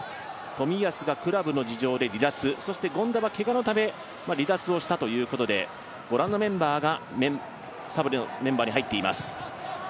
冨安がクラブの事情で離脱、そして権田はけがのため離脱をしたということでご覧のメンバーがサブに入っています。